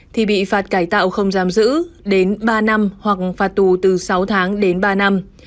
thì bị phạt cải tạo không giam giữ đến ba năm hoặc phạt tù từ sáu tháng đến ba năm